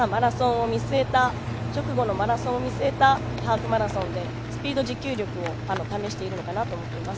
直後のマラソンを見据えたハーフマラソンでスピード、持久力を試しているのかなと思っています。